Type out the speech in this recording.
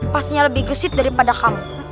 pasnya lebih gesit daripada kamu